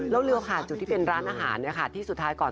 แล้วเรือผ่านจุดที่เป็นร้านอาหารที่สุดท้ายก่อน